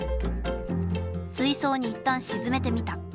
水槽にいったん沈めてみた。